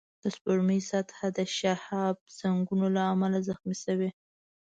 د سپوږمۍ سطحه د شهابسنگونو له امله زخمي شوې